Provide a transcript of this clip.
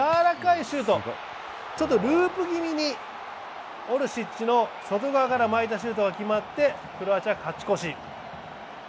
ループ気味に、オルシッチの外側から巻いたシュートが決まってクロアチアが勝ち越し。